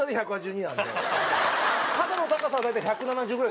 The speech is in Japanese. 肩の高さは大体１７０ぐらい。